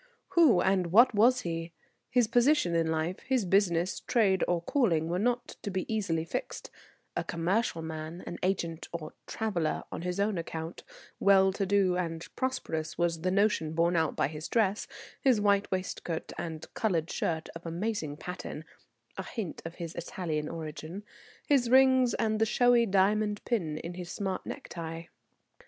Who and what was he? His position in life, his business, trade or calling were not to be easily fixed; a commercial man, an agent or "traveller" on his own account, well to do and prosperous, was the notion borne out by his dress, his white waistcoat and coloured shirt of amazing pattern (a hint of his Italian origin), his rings and the showy diamond pin in his smart necktie.